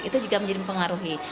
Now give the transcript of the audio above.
itu juga menjadi pengaruhi